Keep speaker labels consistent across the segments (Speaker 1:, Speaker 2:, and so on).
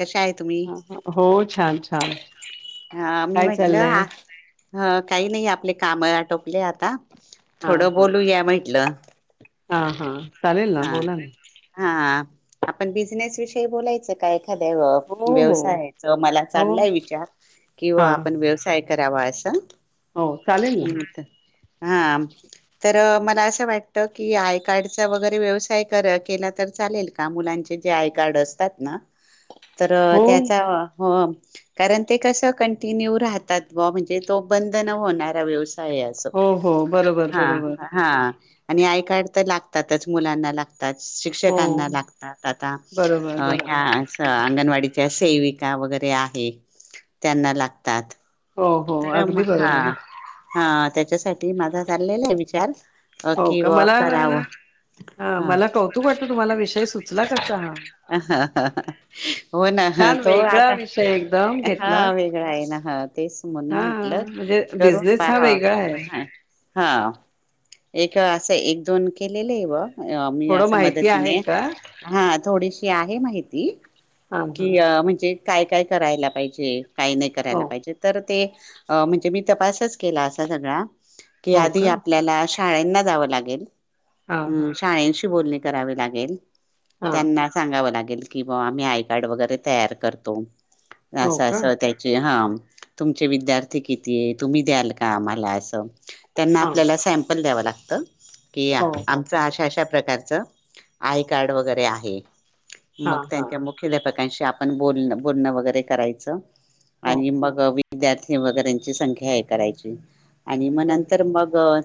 Speaker 1: कशा आहे तुम्ही?
Speaker 2: हा हा हो छान छान काय चाललंय
Speaker 1: ह काही नाही आपले काम आटोपले आता
Speaker 2: हा
Speaker 1: थोडं
Speaker 2: हा
Speaker 1: बोलुया म्हटलं
Speaker 2: हा हा चालेल ना
Speaker 1: हा
Speaker 2: बोला ना
Speaker 1: हा आपण बिझनेस विषयी बोलायचं काय? सदैव
Speaker 2: हो हो
Speaker 1: व्यवसायाच मला
Speaker 2: हो
Speaker 1: चाललाय विचार
Speaker 2: हा
Speaker 1: किंवा आपण व्यवसाय करावं असं
Speaker 2: हो चालेल ना
Speaker 1: हम्म त हा तरं मला असं वाटतं की आय कार्डचं वग व्यवसाय कर केला तर चालेल का? मुलांचे जे आय कार्ड असतात ना तर
Speaker 2: हो
Speaker 1: त्याचा हं कारण ते कसं कंटिन्यू राहतात ना म्हणजे तो बंद न होणारा व्यवसाय आहे असं
Speaker 2: हो हो बरोबर
Speaker 1: हा
Speaker 2: बरोबर
Speaker 1: हा आणि आय कार्ड तर लागतात तच मुलांना ला तात
Speaker 2: हो
Speaker 1: शिक्षकांना लागतात आता
Speaker 2: बरोबर बरोबर
Speaker 1: अ-या-असं अंगणवाडीच्या सेविका वगैरे आहे त्यांना लागतात.
Speaker 2: हो हो
Speaker 1: तर म
Speaker 2: अगदी
Speaker 1: हा
Speaker 2: बरोबर.
Speaker 1: हा त्याच्यासाठी माझा चाललेला आहे विचार
Speaker 2: हो का
Speaker 1: अ-किंवा
Speaker 2: मला
Speaker 1: करावं कारण हा
Speaker 2: कौतुक
Speaker 1: मला
Speaker 2: वाटतं
Speaker 1: नाही
Speaker 2: तुम्हाला
Speaker 1: वाटलं मला
Speaker 2: सुचला
Speaker 1: विषय
Speaker 2: कसा हा
Speaker 1: सुचतायत का अ-ह-ह-अ-ह हो ना-ह
Speaker 2: छान
Speaker 1: तो
Speaker 2: वेगळा
Speaker 1: आता
Speaker 2: विषय एकदम
Speaker 1: एवढा विषय वेगळा
Speaker 2: घेतला
Speaker 1: हा वेगळा आहे ना ह-तेच. म्हणून
Speaker 2: हा
Speaker 1: म्हटल
Speaker 2: म्हणजे
Speaker 1: करून
Speaker 2: बिझनेस हा
Speaker 1: पहा
Speaker 2: वेगळा आहे
Speaker 1: ह. एक असं एक दोन केलेलेय बा. अ मी
Speaker 2: थोडं
Speaker 1: अस
Speaker 2: माहिती आहे
Speaker 1: मदतीने
Speaker 2: का
Speaker 1: हा थोडीशी- ती आहे माहिती.
Speaker 2: हा
Speaker 1: कि
Speaker 2: हा
Speaker 1: अ म्हणजे- काय काय करायला पाहिजे. काय नाही
Speaker 2: हो
Speaker 1: करायला पाहिजे. ते म्हणजे मी तपासच केला असा सगळा- की
Speaker 2: हो
Speaker 1: आधी
Speaker 2: का
Speaker 1: आपल्याला अशा- शाळेना जावं लागेल-
Speaker 2: हा हा
Speaker 1: हम्म शाळेशी बोलने- करावी लागेल.
Speaker 2: हा
Speaker 1: त्यांना सांगावं लागेल. कि बाआम्ही आय कार्ड वगैरे तयार करतो.
Speaker 2: हो
Speaker 1: अस
Speaker 2: का?
Speaker 1: अस त्याची ह- [inaudible] तुमचे विद्यार्थी कितीये तुम्ही द्याल का आम्हाला असं- त्यांना
Speaker 2: हां.
Speaker 1: आपल्याला सॅम्पल द्याव लागत. त. कि या
Speaker 2: हो, हो.
Speaker 1: आमचा आशा अशा- प्रकारचं आय कार्ड वगैरे आहे. मग
Speaker 2: हां, हां.
Speaker 1: त्यांच्या मुख्य अध्यापक मग. कांशी आपण बोल बोलणं वगैरे करायचं-
Speaker 2: हो,
Speaker 1: आणि मग - विद्यार्थी वगैरेची संख्या हे करायची- आणि म
Speaker 2: बरोबर.
Speaker 1: नंतर मग-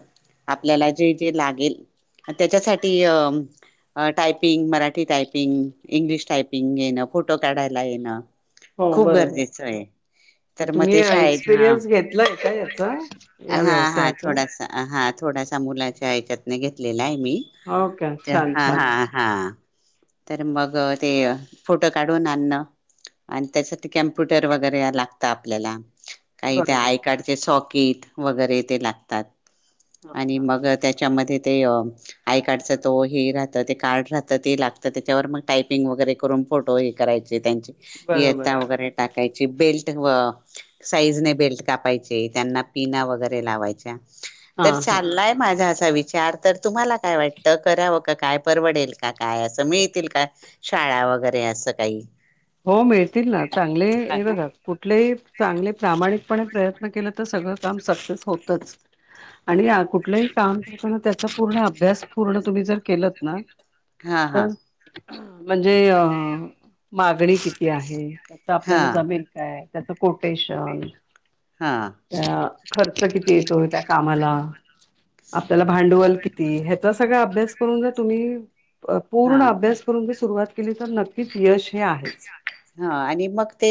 Speaker 1: आपल्याला जे जे लागेल त्याच्यासाठी अ typing Marathi typing English typing येणं फोटो काढायला येणं-
Speaker 2: हो,
Speaker 1: खूप
Speaker 2: बरोबर.
Speaker 1: गरजेचंय.
Speaker 2: तुम्ही एक्सपिरियन्स घेतलाय का याचा या
Speaker 1: हा हा
Speaker 2: व्यवसायाचा-
Speaker 1: थोडासा हा थोडासा मुलाच्या याच्यातन घेतलेलाय. मी
Speaker 2: हो का? छान,
Speaker 1: हा हा
Speaker 2: छान.
Speaker 1: हा. तर मग ते फोटो काढून आणण आणि त्यासाठी कम्प्युटर वगैरे लागत. आपल्याला. काही त्या
Speaker 2: बरोबर.
Speaker 1: आयकाडचे सॉफ्ट- कीट वगैरे ते लागतात.
Speaker 2: हां,
Speaker 1: आणि
Speaker 2: हां.
Speaker 1: मग त्याच्यामध्ये. ते आय कार्डच तो हे राहत ते कार्ड राहतं ते लागतं त्याच्यावर मग टायपिंग वगैरे करून फोटो हे कराय. त्यांची येता
Speaker 2: बरोबर.
Speaker 1: वगरे टा. टाकायची पे साईजने बेल्ट कापायचे त्यांना पिना वगैरे लावायच्या. तर
Speaker 2: हां, हां.
Speaker 1: चाललाय माझ्या ह विचार तर तुम्हाला काय वाटतं करावं का काय परवडेल का काय असं मिळतील का शाळा वगैरे असं काही.
Speaker 2: हो मिळतील ना चांगले
Speaker 1: हा
Speaker 2: हे बघात. कुठलेही चांगले प्रामाणिकपणे. प्रयत्न केलं तर सगळं काम सक्से होतच आणि कुठलंही काम त्याचा पूर्ण अभ्यास पूर्ण तुम्ही जर केलंत ना.
Speaker 1: हा हा
Speaker 2: तर म्हणजे अ मागणी किती आहे. तिथं
Speaker 1: हा
Speaker 2: आपल्याला जमेल काय. त्याचं कोटेशन
Speaker 1: हा
Speaker 2: अ खर्च किती येतो त्या कामाला आपल्याला भांडवल किती ह्याचा सगळा अभ्यास करून ज तुम्ही
Speaker 1: हा
Speaker 2: पूर्ण अभ्यास करूनच सुरुवात केली तर नक्कीच यश हे आहेच
Speaker 1: हा आणि मग ते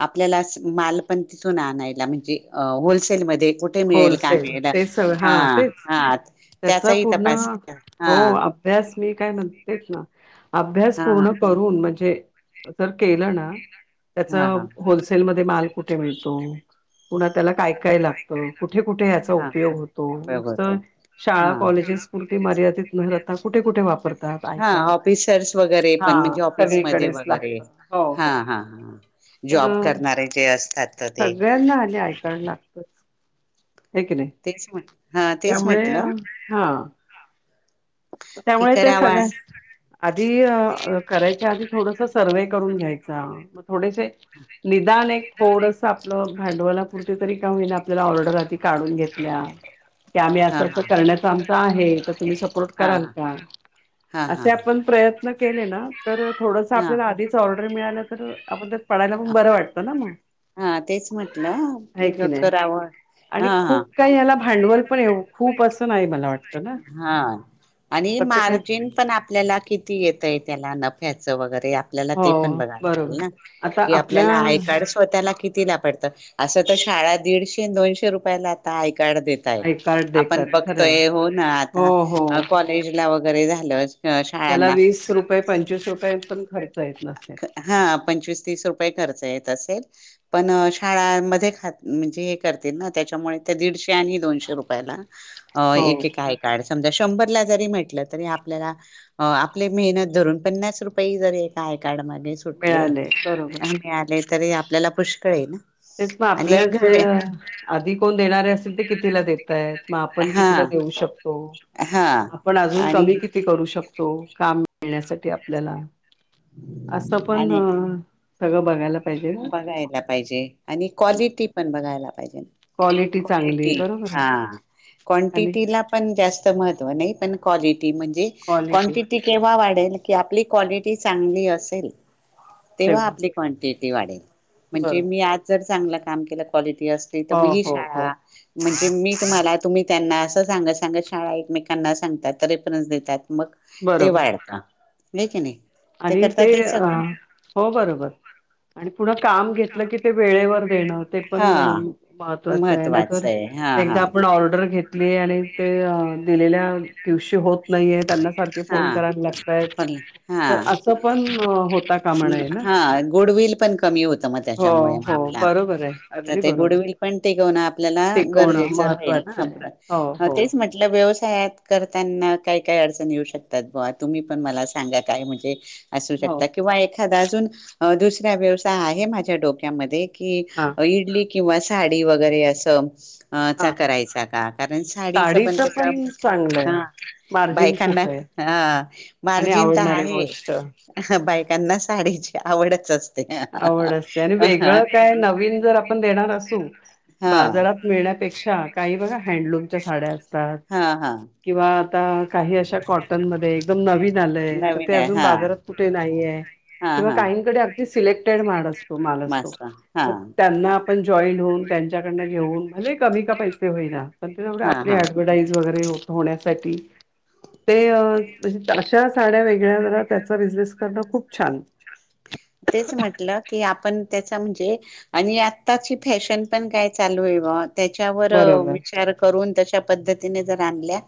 Speaker 1: आपल्याला माल पण तिथून आणायला म्हणजे होलसेलमध्ये कुठे मिळेल काय
Speaker 2: होलसेल
Speaker 1: मिळेल
Speaker 2: तेच सगळं
Speaker 1: हा
Speaker 2: तेच
Speaker 1: हा
Speaker 2: त्याचा
Speaker 1: त्याचाही
Speaker 2: पूर्ण
Speaker 1: तपास हा
Speaker 2: हो अभ्यास मी काय म्हणतेच ना अभ्यास
Speaker 1: हा हा
Speaker 2: पूर्ण करून म्हणजे तर केलं ना त्याच
Speaker 1: हा हा
Speaker 2: होलसेलमध्ये माल कुठे मिळतो पुन्हा त्याला काय काय लागत ठ कुठे कुठे याचा
Speaker 1: हा
Speaker 2: उपयोग होतो
Speaker 1: उपयोग होतो
Speaker 2: नुसतं
Speaker 1: हा
Speaker 2: शाळा कॉलेजेस पुरती मर्यादित न कुठे कुठे वापर
Speaker 1: हा ऑफिसर्स वगैरे पण म्हणजे ऑफिसमध्ये
Speaker 2: सगळीकडेच
Speaker 1: वगैरे
Speaker 2: लागत हो
Speaker 1: हा
Speaker 2: हो
Speaker 1: ह ह
Speaker 2: तर
Speaker 1: जॉब करणारे जे असतात तर ते
Speaker 2: सगळ्यांना आले आय कार्ड लागतच हे की नाही
Speaker 1: तेच म्हण हा तेच
Speaker 2: त्यामुळे
Speaker 1: म्हटलं
Speaker 2: हा
Speaker 1: की
Speaker 2: त्यामुळे, त्या
Speaker 1: करावा
Speaker 2: सगळ्या
Speaker 1: अस
Speaker 2: आधी करायच्या आधी. थोडस सर्व्हे करून घ्यायचा. थोडेसे निदान एक थोडस आपलं, भांडवला पुरते तरी का होईना आपल्याला ऑर्डर आधी काढून घेतल्या. की आम्ही
Speaker 1: हा हा
Speaker 2: असं करण्याच आमच आहे, तर तुम्ही सपोर्ट
Speaker 1: हा
Speaker 2: कराल का?
Speaker 1: हा हा
Speaker 2: असे
Speaker 1: हा
Speaker 2: आपण प्रयत्न केले ना. तर थोडस आपल्याला आधीच ऑर् प्रेम मिळाल्या तर याबद्दल. पळायला
Speaker 1: हा
Speaker 2: बरं वाटतं ना, मग
Speaker 1: हा तेच म्हटलं
Speaker 2: हाय की नाय,
Speaker 1: करावं
Speaker 2: आणि
Speaker 1: हा हा
Speaker 2: खूप काही याला भांडवल पण ये खूप अस नाय मला वाटत.
Speaker 1: हा. आणि
Speaker 2: काय
Speaker 1: मार्जिन पण आपल्याला किती येतय. त्याला नफ्याच वगैरे आपल्याला ते
Speaker 2: हो
Speaker 1: पण बघायला लागेल
Speaker 2: बरोबर
Speaker 1: ना,
Speaker 2: आता
Speaker 1: की आपल्याला आय
Speaker 2: आपल्या
Speaker 1: कार्ड स्वतःला कि तिला पडत. असत शाळा दीडशे दोनशे रुपया आता आहे. [unintelligible] कार्ड देताय आहे,
Speaker 2: आय कार्ड
Speaker 1: आपण
Speaker 2: देतात खरंय.
Speaker 1: बघतोय होउन. ना
Speaker 2: हो हो.
Speaker 1: आता कॉलेज ला वगैरे सहज
Speaker 2: त्याला वीस रुपये पंचवीस रुपये पण खर्च येत नसेल.
Speaker 1: हा पंचवीस तीस रुपये खर्च येत असेल, पण शाळान मध्ये खात म्हणजे हे करतील ना, त्याच्यामुळे ते दीडशे आणि दोनशे रुपयाला अ
Speaker 2: हो.
Speaker 1: एक एक समजा शंभर ला जरी भेटला, तरी आपल्याला. आपले मेहनत धरून पन्नास रुपये जरे आय काड मागे सुटले,
Speaker 2: मिळाले बरोबर
Speaker 1: आणि आले. तरी आपल्याला पुष्कळ ये.
Speaker 2: तेच मग आपल्या ज आधी कोण देणार असतील, ते कितीला देतय, मग आपण
Speaker 1: हा
Speaker 2: कितीला देऊ शकतो.
Speaker 1: हा
Speaker 2: आपण अजून
Speaker 1: आणि
Speaker 2: कमी किती करू शकतो. काम मिळण्यासाठी आपल्याला असं पण,
Speaker 1: आणि
Speaker 2: सगळं बघायला पाहिजे ना.
Speaker 1: बघायला पाहिजे आणि कॉलिटी पण बघायला पाहिजे,
Speaker 2: क्वालिटी चांगली
Speaker 1: कॉलिटी
Speaker 2: बरोबर
Speaker 1: हा
Speaker 2: आहे आणि
Speaker 1: क्वांटिटीला पण जास्त म महत्व नाही पण कॉली म्हणजे
Speaker 2: क्वालिटी
Speaker 1: क्वांटिटी केव्हा वाढेल, की आपली कॉलि ती चांगली असेल. तेव्हा आपली क्वांटिटी. [unintelligible] म्हणजे
Speaker 2: बरोबर
Speaker 1: मी आज जर. चांगल काम के कॉलिटी. असती तर मग
Speaker 2: हो
Speaker 1: ही
Speaker 2: हो
Speaker 1: शाळा.
Speaker 2: हो
Speaker 1: म्हणजे 'मी तुम्हाला तुम्ही त्यांना असं सांगात सांगत शाळा एकमेकांना सांगतात, रेफरन्स देतात. मग ते
Speaker 2: बरोबर
Speaker 1: वाढत. हे किणी
Speaker 2: आणि ते, हो बरोबर आणि पुढं काम घेतलं की ते वेळेवर. देणं. ते पण
Speaker 1: हा
Speaker 2: महत्वाच आहे नाही तर
Speaker 1: महत्त्वाचं आहे हा हा
Speaker 2: एखादा आपण ऑर्डर घेत आणि ते दिलेल्या दिवशी होत नाहीे त्यांना. सारखे
Speaker 1: हा
Speaker 2: फोन कराला लागतय.
Speaker 1: पण हा
Speaker 2: नये ना
Speaker 1: हा गुडविल पण कमी होतं मग
Speaker 2: हो
Speaker 1: त्याच्यामुळे मग
Speaker 2: हो
Speaker 1: आपल्या
Speaker 2: बरोबर आहे
Speaker 1: तर
Speaker 2: अगदी
Speaker 1: ते.
Speaker 2: बरोबर
Speaker 1: गुडविल पण टिकवणं आपल्याला
Speaker 2: टिकवणं
Speaker 1: गरजेचं राहील
Speaker 2: महत्त्वाचं आहे हो
Speaker 1: ना
Speaker 2: हो
Speaker 1: तेच म्हटलं व्यवस्. या करताना काही काय अडचण येऊ शकत. शकतात बवा तुम्ही पण मला सांगा काय म्हणजे. असू
Speaker 2: हो
Speaker 1: शकता किंवा एखादा अजून. दुसरा व्यवसाय आहे माझ्या डोक्यामध्ये.
Speaker 2: हां
Speaker 1: क इडली. किंवा साडी वगैरे असं. अ
Speaker 2: हां
Speaker 1: करायचा का कारण साडीचं पण कसं ह
Speaker 2: मार्जिन
Speaker 1: बायकांना.
Speaker 2: खूप आहे
Speaker 1: हा
Speaker 2: आणि
Speaker 1: मार्जिन तर
Speaker 2: आवडणारी
Speaker 1: आहे.
Speaker 2: गोष्ट
Speaker 1: बायकांना साडीची आवडच.
Speaker 2: आवड असते आणि वेगळं काय नवीन जर आपण देणार असू
Speaker 1: हा
Speaker 2: बाजारात मिळण्यापेक्षा काही बघा हँडलूम. स साड्या.
Speaker 1: हा हा
Speaker 2: किंवा. आता काही अशा कॉटनमध्येध्ये एकदम नवीन.
Speaker 1: नवीन
Speaker 2: ते
Speaker 1: आहे
Speaker 2: अजून
Speaker 1: हा
Speaker 2: बाजारात कुट नाहीये.
Speaker 1: हा हा
Speaker 2: सिलेक्टेड मासत. तो माल अस तो
Speaker 1: मस्त हा
Speaker 2: मग त्यांना. पण जॉईंट होऊन त्यांच्याकडनं घेऊन भले कमी का पैसे होईना. पण त्यामुळे
Speaker 1: हा
Speaker 2: आप
Speaker 1: हा
Speaker 2: डवर्टाईज वगैरे हो. हो आशा साड्या वेगळ्या बने खप छान
Speaker 1: तेच म्हटलं की आपण त्याचा म्हणजे आणि आताची फॅशन पण काय चालू आहेव त्याच्यावर
Speaker 2: बरोबर
Speaker 1: विचार करून त्याच्या पद्धतीने जर आणल्या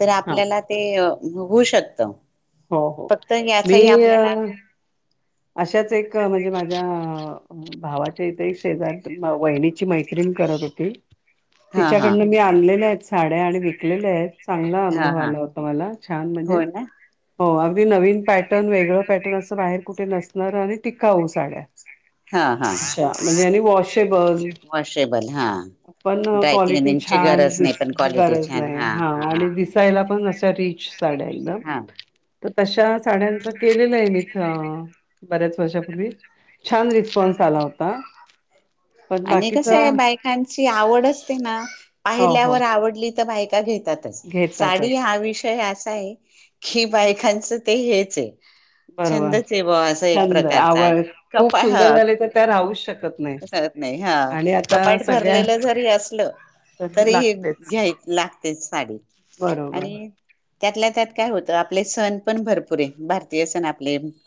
Speaker 1: तर
Speaker 2: हा
Speaker 1: आपल्याला ते होऊ शकत
Speaker 2: हो हो
Speaker 1: फक्त
Speaker 2: मी
Speaker 1: याचाही
Speaker 2: अ
Speaker 1: आपल्याला
Speaker 2: अशाच एक म्हणजे माझ्या भावाच्या इथेही शेजारी वहिनीची माहिती हो
Speaker 1: हा हा
Speaker 2: तिच्याकडन मी आण आहेत साड्या आणि विकलेल्या आहेत चांगला
Speaker 1: हा
Speaker 2: अनुभव
Speaker 1: हा
Speaker 2: आला होता मला छान म्हणजे
Speaker 1: हो ना
Speaker 2: हो अगदी नवीन पॅटर्न वेगळं पॅटर्न असं बाहेर कुठे नसणार आणि टिकाऊ साड्या
Speaker 1: हा हा
Speaker 2: अच्छा म्हणजे आणि वॉशेबल
Speaker 1: वॉशेबल हा
Speaker 2: पण क्वालिटी
Speaker 1: ड्रायक्लिनिंगची
Speaker 2: छान
Speaker 1: गरज नाही पण क्वालिटी
Speaker 2: गरज
Speaker 1: छान
Speaker 2: नाही हा आणि दिसायला पण अस तरीच जाड एकदम
Speaker 1: हा
Speaker 2: तर तशा साड्यांचं केलेलं आहे मीथ बऱ्याच वर्षापूर्वी छान रिस्पॉन्स आला होता पण
Speaker 1: आणि कस
Speaker 2: बाकीचा
Speaker 1: आहे बायकांची आवड असते ना
Speaker 2: हो हो
Speaker 1: पाहिल्यावर आवडली त्या बायका घेतता साडी
Speaker 2: घेतातच
Speaker 1: हा विषय अस आहे की बायकांचं ते हेच आहे
Speaker 2: बरोबर
Speaker 1: छंदच आहे बा असं एक
Speaker 2: छंद
Speaker 1: प्रकारचा
Speaker 2: आवड खूप
Speaker 1: कपा हा
Speaker 2: सुंदर झाली तर त्या राहूच शकत नाही
Speaker 1: राहत नाही हा
Speaker 2: आणि आता
Speaker 1: कपाट
Speaker 2: सगळ्या
Speaker 1: भरलेलं जरी असलं तरी हे
Speaker 2: लागतेच
Speaker 1: घ्याय लागते साडी
Speaker 2: बरोबर
Speaker 1: आणि त्यातल्या त्यात काय होतं आपले सण पण भरपूर आहे भारतीय सण आप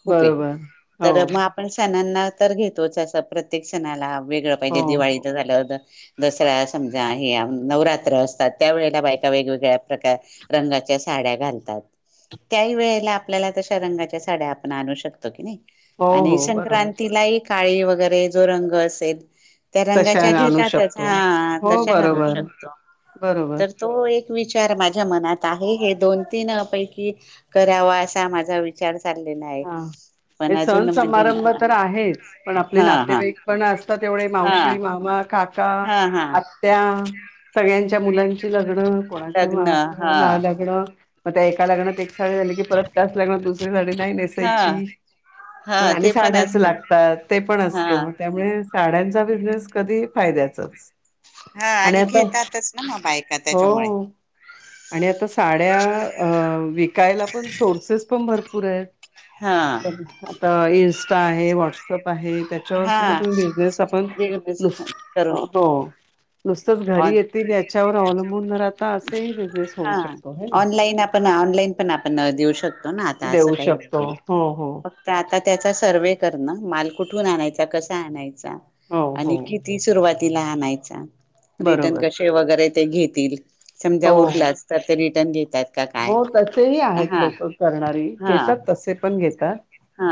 Speaker 1: खूप
Speaker 2: बरोबर
Speaker 1: मग
Speaker 2: हो
Speaker 1: तर आपण सणाना हा तर घेतो प्रत्येक सणाला वेगळं पाहिजे
Speaker 2: हो हो
Speaker 1: दिवाळीचं झालं होत दसऱ समजा हे नवरात्र असतात त्यावेेळेला बायका वेगवेगळ्या प्रकार रंगाच्या साड्या घालतात त्याही वेळेला आपल्याला तशा रंगाच्या साड्या आपण आणू शकतो की नाही
Speaker 2: हो
Speaker 1: आणि
Speaker 2: हो बरोबर
Speaker 1: संक्रांतीला एक काळी वगैरे जो रंग असेल ह त्या
Speaker 2: तशा
Speaker 1: रंगाच्या
Speaker 2: आणू
Speaker 1: घेतातच
Speaker 2: शकतो
Speaker 1: हा
Speaker 2: हो
Speaker 1: तशा घालू
Speaker 2: बरोबर
Speaker 1: शकतो
Speaker 2: बरोबर
Speaker 1: तर तो एक विचार माझ्या मनात आहे हे दोन तीन पैकी करावा असा माझा विचार चाललेला आहे
Speaker 2: हा
Speaker 1: पण
Speaker 2: हे सण
Speaker 1: अजून
Speaker 2: समारंभ
Speaker 1: म्हणजे
Speaker 2: तर आहेच पण आपले
Speaker 1: हा हा
Speaker 2: नातेवाईक पण असतात जेवढे
Speaker 1: हा
Speaker 2: मावशी मामा का का
Speaker 1: हा हा
Speaker 2: आत्या सगळ्यांच्या मुलांची [unintelligible] ग कोणाच्या
Speaker 1: लग्न
Speaker 2: मात
Speaker 1: हा
Speaker 2: ना लागणं मग त्या एका लग्नात एक साडी झाली की परत त्याच लग्त दुसऱ्या साडी नाही
Speaker 1: हा
Speaker 2: त्याची
Speaker 1: हा
Speaker 2: पण आणि
Speaker 1: ते
Speaker 2: साड्याच
Speaker 1: असत
Speaker 2: लागतात ते पण
Speaker 1: हा
Speaker 2: असत त्यामुळे साड्यांच्या बिझनेस कधी फायद्याचच
Speaker 1: हा आणि घेतातच ना म बायका त्याच्यामुळे
Speaker 2: हो आणि आता साड्या विकायला पण सोर्सेस पण भरपूर आहेत
Speaker 1: हा
Speaker 2: च आता [unintelligible] स्टा आहे व्हॉट्सअप [unintelligible] त्याच्यावर
Speaker 1: हा
Speaker 2: सुद्धा पण बिझनेस आपण
Speaker 1: करून
Speaker 2: [unintelligible] नुसतच घरी
Speaker 1: ऑन
Speaker 2: येतील च्या वर अवलंबून घरात
Speaker 1: हा ऑनलाईन आपण ऑनलाईन पण आपण देऊ शो. [unintelligible] आता अस
Speaker 2: देऊ
Speaker 1: का
Speaker 2: शकतो हो हो
Speaker 1: फक्त आता त्याचा सर्व करण [unintelligible] कुठून आणायचा कस आणायच. चा
Speaker 2: हो हो
Speaker 1: आणि किती सुरवात तिला आणायचा. रिटर्न
Speaker 2: बरोबर
Speaker 1: कसे वगैरे ते घेतील. समजा
Speaker 2: हो हो
Speaker 1: उरला अस तर तरी [unintelligible]
Speaker 2: हो तसेही आहेत लोक करणारी
Speaker 1: हा
Speaker 2: घेतात तसे पण घेतात.
Speaker 1: हा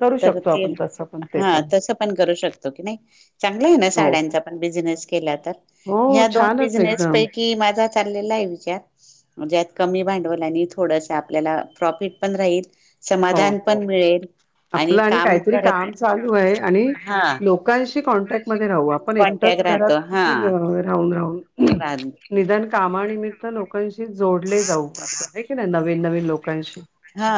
Speaker 2: करू
Speaker 1: तर
Speaker 2: शकतो
Speaker 1: ते
Speaker 2: आपण तसं पण ते
Speaker 1: हा तस पण करू शकतो की नाही चांगलं आहे ना
Speaker 2: हो
Speaker 1: साड्यांचा
Speaker 2: हो
Speaker 1: पण बिझनेस केला तर.
Speaker 2: हो
Speaker 1: ह्या दोन
Speaker 2: छानच
Speaker 1: बिझनेस
Speaker 2: एकदम
Speaker 1: पैकी माझा चाललेला आहे विचार म्हणजेत कमी भांडवल्याने थोडस आपल्याला प्रॉफिट पण राहील.
Speaker 2: हो
Speaker 1: समाधान
Speaker 2: हो
Speaker 1: पण मिळेल
Speaker 2: आपलं आणि
Speaker 1: काम
Speaker 2: काहीतरी
Speaker 1: घरात
Speaker 2: काम चालू आहे. आणि
Speaker 1: हा
Speaker 2: लोकांशी कॉन्टॅक्ट मध्ये राहू आपण एकटंच
Speaker 1: कॉन्टॅक्ट
Speaker 2: घरात
Speaker 1: राहतो हा
Speaker 2: किती अ राहू
Speaker 1: राह
Speaker 2: [unintelligible] निधान कामा निमित तर लोकांशी जोडले जाऊ असं, एखाद्याला लावू नवीन लोकांशी
Speaker 1: हा.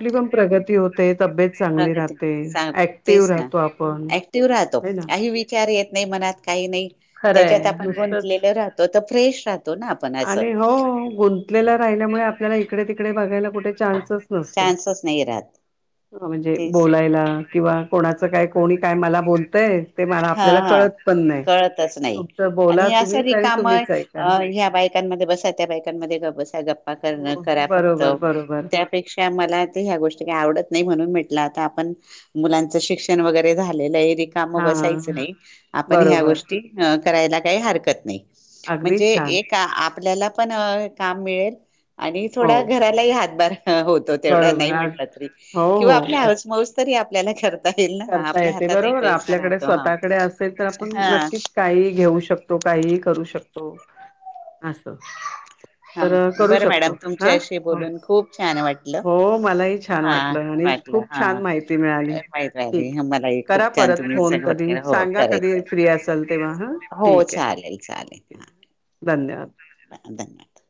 Speaker 2: ली पण प्रगती होते. तब्येत चांगली
Speaker 1: प्रगती
Speaker 2: राहते,
Speaker 1: सांग
Speaker 2: ऍक्टिव्ह
Speaker 1: तेच ना
Speaker 2: राहतो आपण,
Speaker 1: ऍक्टिव्ह राहतो
Speaker 2: है ना.
Speaker 1: काही विचार येत नाही मनात काही नाही,
Speaker 2: खरंय
Speaker 1: त्याच्यात आपण
Speaker 2: नुसतंच
Speaker 1: गुंतलेले राहतो. फ्रेश राह
Speaker 2: आणि हो, गुंतलेल राहिल्यामुळे आपल्याला इकडे तिकडे बघायला कुठे चान्सच
Speaker 1: चान्सच नाही राहत
Speaker 2: म्हणजे
Speaker 1: तेच
Speaker 2: बोलायला किंवा कोणाचं काय, कोणी काय मला बोलतंय. ते मला
Speaker 1: हा
Speaker 2: आपल्याला
Speaker 1: हा
Speaker 2: कळत पण नाही
Speaker 1: कळतच नाही
Speaker 2: तुमच बोला
Speaker 1: आणि
Speaker 2: तुम्हीच आणी तुम्हीच ऐका
Speaker 1: कांमध्ये त्या बायकांमध्ये बसा गप्पा करण
Speaker 2: हो
Speaker 1: करा फक्त
Speaker 2: बरोबर बरोबर
Speaker 1: त्यापेक्षा मला आता ह्या गोष्टी आवडत नाही म्हणून म्हटलं आता आपण, मुलांच शिक्षण वगैरे झालेलं आहे. रिकाम
Speaker 2: हा
Speaker 1: बस यच नाही. आपण ह्या
Speaker 2: बरोबर
Speaker 1: गोष्टी अ करायला काही हरकत नाही.
Speaker 2: अगदी
Speaker 1: म्हणजे
Speaker 2: छान
Speaker 1: एका आप पल्याला पण काम मिळेल आणि
Speaker 2: हो
Speaker 1: थोडा घरालाही हातभार होतो तेवढा नाही
Speaker 2: बरोबर अग
Speaker 1: म्हटलं तरी
Speaker 2: हो
Speaker 1: किंवा
Speaker 2: हो
Speaker 1: आपली हौस मौज तरी ते नाही खरं ईल ना,
Speaker 2: करता
Speaker 1: आपल्या
Speaker 2: येते
Speaker 1: हातात एक
Speaker 2: बरोबर
Speaker 1: पैसा राहि
Speaker 2: आपल्याकडे स्वतःकडे असेल तर आपण नक्कीच काहीही घेऊ शकतो, काहीही करू शकतो असं
Speaker 1: हा
Speaker 2: तर करू
Speaker 1: बरं
Speaker 2: शकतो
Speaker 1: मॅडम
Speaker 2: हा,
Speaker 1: तुमच्याशी बोलून खूप छान वाटलं
Speaker 2: हो मलाही छान
Speaker 1: हा
Speaker 2: वाटलं आणि
Speaker 1: वाटलं
Speaker 2: खूप
Speaker 1: हा
Speaker 2: छान माहिती मिळाली.
Speaker 1: माहित
Speaker 2: ठीक
Speaker 1: मलाही खूप
Speaker 2: करा
Speaker 1: छान
Speaker 2: परत
Speaker 1: तुम्ही
Speaker 2: फोन
Speaker 1: सहमत
Speaker 2: कधी
Speaker 1: केलं, हो
Speaker 2: सांगा
Speaker 1: करेल,
Speaker 2: कधी फ्री असाल तेव्हा हा
Speaker 1: हो
Speaker 2: ठीक आहे
Speaker 1: चालेल
Speaker 2: ओके
Speaker 1: चालेल
Speaker 2: धन्यवाद
Speaker 1: धन्यवाद